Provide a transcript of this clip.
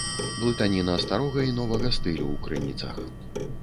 Блытаніна старога і новага стылю ў крыніцах.